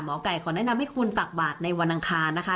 ไก่ขอแนะนำให้คุณตักบาทในวันอังคารนะคะ